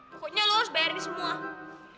pokoknya lo harus bayarin semua